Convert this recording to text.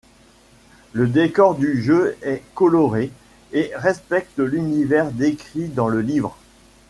Le décor du jeu est coloré et respecte l'univers décrit dans le livre.